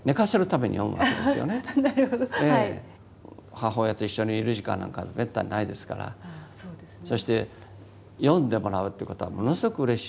母親と一緒にいる時間なんかめったにないですからそして読んでもらうっていうことはものすごくうれしいことです。